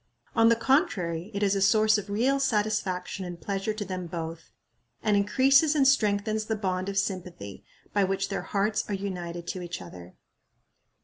On the contrary, it is a source of real satisfaction and pleasure to them both, and increases and strengthens the bond of sympathy by which their hearts are united to each other.